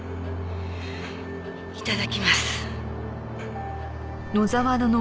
いただきます。